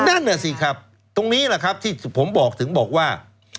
นั่นน่ะสิครับตรงนี้แหละครับที่ผมบอกถึงบอกว่า